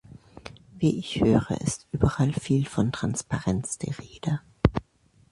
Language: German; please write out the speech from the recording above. Wie ich höre, ist überall viel von Transparenz die Rede.